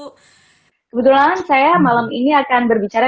kebetulan saya malam ini akan berbicara